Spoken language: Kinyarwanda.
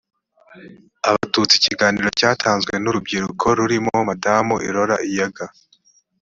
abatutsi ikiganiro cyatanzwe n urubyiruko rurimo madamu laure iyaga ceo